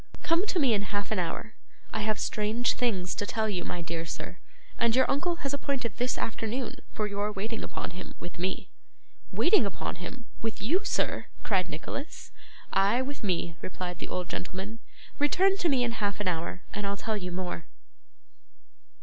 Come to me in half an hour; I have strange things to tell you, my dear sir, and your uncle has appointed this afternoon for your waiting upon him with me.' 'Waiting upon him! With you, sir!' cried Nicholas. 'Ay, with me,' replied the old gentleman. 'Return to me in half an hour, and I'll tell you more.